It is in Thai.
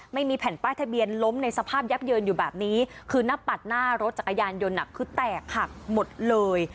ไม่มีแผ่นป้ายทะเบียนล้มในสภาพยับเยินอยู่แบบนี้คือหน้าปัดหน้ารถจักรยานยนต์คือแตกหักหมดเลย